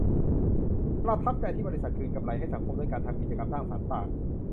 ประทับใจที่บริษัทคืนกำไรให้สังคมด้วยการทำกิจกรรมสร้างสรรค์ต่าง